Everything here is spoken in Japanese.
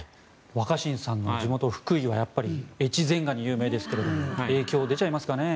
若新さんの地元・福井はやっぱり越前ガニが有名ですが影響、出ちゃいますかね。